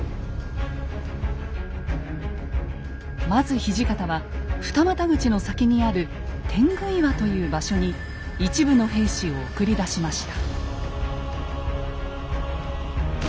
まず土方は二股口の先にある天狗岩という場所に一部の兵士を送り出しました。